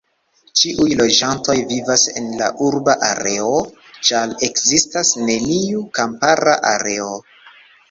Ĉiuj loĝantoj vivas en la urba areo, ĉar ekzistas neniu kampara areo.